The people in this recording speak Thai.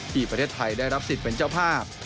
ที่ประเทศไทยได้รับสิทธิ์เป็นเจ้าภาพ